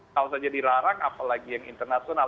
kalau saja dilarang apalagi yang internasional